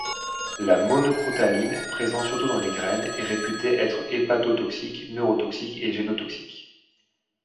La monocrotaline, présente surtout dans les graines, est réputée être hépatotoxique, neurotoxique et génotoxique.